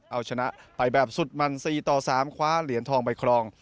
เอาชนะไปแบบสุดมัน๔ต่อ๓คว้าเหรียญทองไปครอง